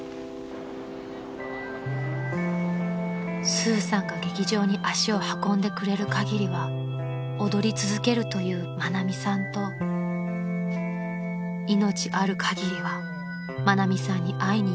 ［スーさんが劇場に足を運んでくれるかぎりは踊り続けるという愛美さんと命あるかぎりは愛美さんに会いに行くというスーさん］